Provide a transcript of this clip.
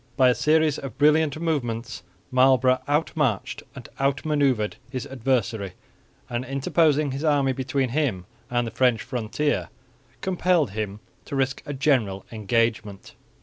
By a series of brilliant movements Marlborough out marched and out manoeuvred his adversary and, interposing his army between him and the French frontier, compelled him to risk a general engagement.